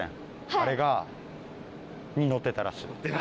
あれに乗ってたらしい。